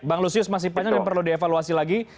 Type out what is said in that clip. dan lucius masih panjang dan perlu dievaluasi lagi